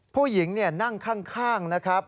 ผู้หญิงนั่งข้างนะครับ